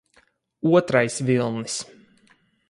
Otrais vilnis